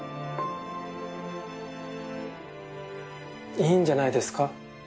いいんじゃないですか？